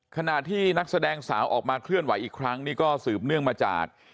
ขณะที่นักแสดงสาวออกมาเคลื่อนไหวอีกครั้งนี่ก็สืบเนื่องมาจาก